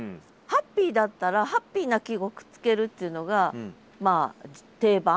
ハッピーだったらハッピーな季語くっつけるっていうのがまあ定番。